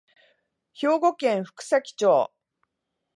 兵庫県福崎町